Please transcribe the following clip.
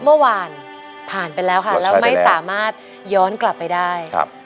เมื่อวานผ่านไปแล้วค่ะแล้วไม่สามารถย้อนกลับไปได้ครับ